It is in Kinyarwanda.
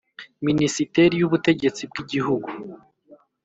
Minisiteri y Ubutegetsi bw igihugu